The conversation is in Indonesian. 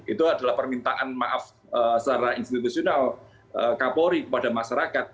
itu adalah permintaan maaf secara institusional kapolri kepada masyarakat